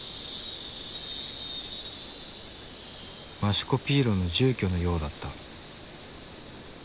マシュコピーロの住居のようだった。